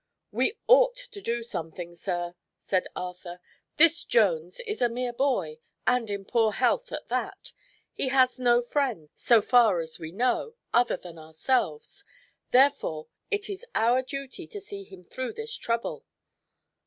"We ought to do something, sir," said Arthur. "This Jones is a mere boy, and in poor health at that. He has no friends, so far as we know, other than ourselves. Therefore it is our duty to see him through this trouble."